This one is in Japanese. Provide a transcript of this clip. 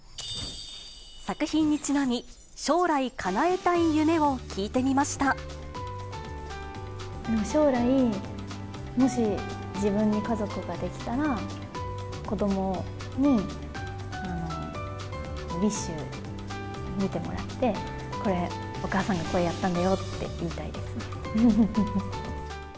作品にちなみ、将来かなえた将来、もし自分に家族ができたら、子どもに、ウィッシュ、見てもらって、これ、お母さんが声やったんだよって言いたいですね。